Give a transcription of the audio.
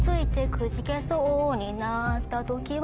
くじけそうになったときは